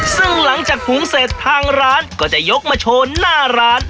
ซึ่งหลังจากหุงเสร็จทางร้านก็จะยกมาโชว์หน้าร้าน